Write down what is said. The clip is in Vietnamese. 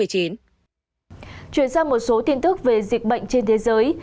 chuyển sang một số tin tức về dịch bệnh trên thế giới